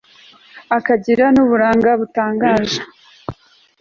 akagira n'uburanga butangaje